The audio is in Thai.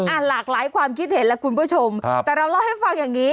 หลากหลายความคิดเห็นแล้วคุณผู้ชมครับแต่เราเล่าให้ฟังอย่างงี้